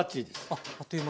あっあっという間に。